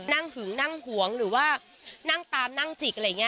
หึงนั่งหวงหรือว่านั่งตามนั่งจิกอะไรอย่างนี้